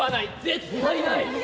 絶対ない！